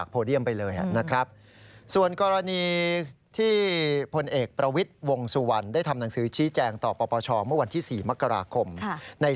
ไปยังไง